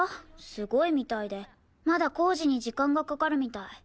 すごいみたいでまだ工事に時間がかかるみたい。